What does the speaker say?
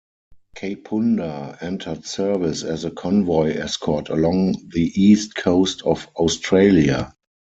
"Kapunda" entered service as a convoy escort along the east coast of Australia.